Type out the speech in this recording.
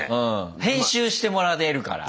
編集してもらえるから。